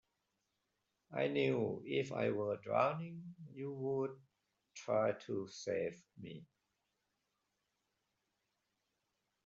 I knew if I were drowning you'd try to save me.